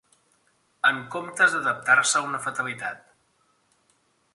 En comptes d'adaptar-se a una fatalitat